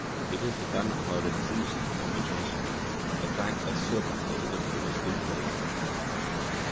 It is the "gunpowder treason" of which I speak; a fact as certain as it appears incredible.